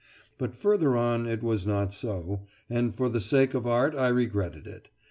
But further on it was not so, and for the sake of art I regretted it.